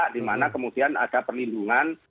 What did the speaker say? dimana kemudian ada perlindungan